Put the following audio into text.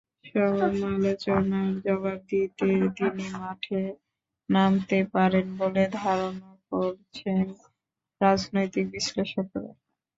সমালোচনার জবাব দিতে তিনি মাঠে নামতে পারেন বলে ধারণা করছেন রাজনৈতিক বিশ্লেষকেরা।